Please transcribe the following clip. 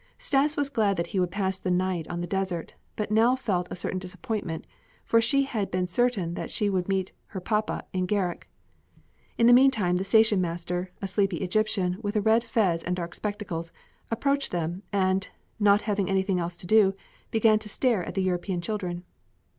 Stas was glad that he would pass the night on the desert, but Nell felt a certain disappointment, for she had been certain that she would meet her papa in Gharak. In the meantime the station master, a sleepy Egyptian with a red fez and dark spectacles, approached them, and, not having anything else to do, began to stare at the European children.